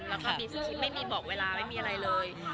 แล้วก็ไม่มีบอกเวลาไม่มีอะไรเลย